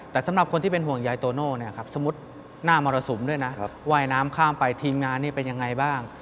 แต่สำหรับคนที่เป็นห่วงยายโตโน่เนี่ยครับสมมุติหน้ามรสุมด้วยนะว่ายน้ำข้ามไปทีมงานนี่เป็นยังไงบ้าง